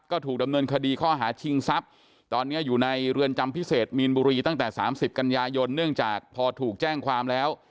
ก็ถูกดำเนินคดีข้อหาชิงทรัพย์ตอนนี้อยู่ในเรือนจำพิเศษมีนบุรีตั้งแต่๓๐กันยายนเนื่องจากพอถูกแจ้งความแล้ว